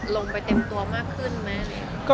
บังเอิญว่าช่วงนี้มีละครเรื่องเดียว